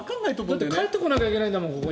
だって帰ってこなきゃいけないんだもん。